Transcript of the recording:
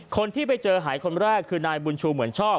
คนที่ไปเจอหายคนแรกคือนายบุญชูเหมือนชอบ